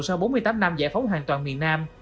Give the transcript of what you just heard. sau bốn mươi tám năm giải phóng hoàn toàn miền nam